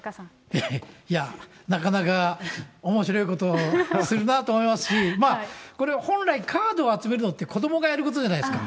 いやいや、なかなかおもしろいことをするなと思いますし、これ、本来カードを集めるのって、子どもがやることじゃないですか。